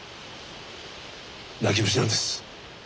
泣き虫なんです